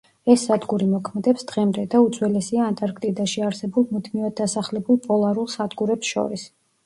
ეს სადგური მოქმედებს დღემდე და უძველესია ანტარქტიდაში არსებულ მუდმივად დასახლებულ პოლარულ სადგურებს შორის.